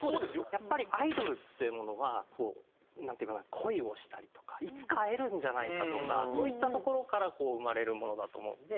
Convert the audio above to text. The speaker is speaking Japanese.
やっぱりアイドルっていうものはこうなんていうかな恋をしたりとかいつか会えるんじゃないかとかそういったところから生まれるものだと思うので。